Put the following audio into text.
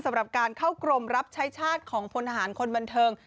สำหรับการเข้ากรมรับใช้ชาติของพลทหารคนบันเทิง